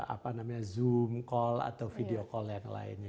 apa namanya zoom call atau video call yang lainnya